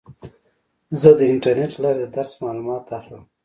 زه د انټرنیټ له لارې د درس معلومات اخلم.